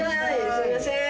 すいません。